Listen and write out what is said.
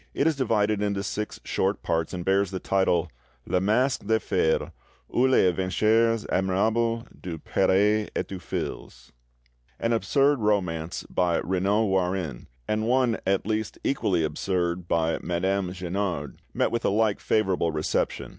It is divided into six short parts, and bears the title, 'Le Masque de Fer, ou les Aventures admirables du Prre et du Fils'. An absurd romance by Regnault Warin, and one at least equally absurd by Madame Guenard, met with a like favourable reception.